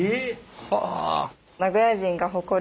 はあ！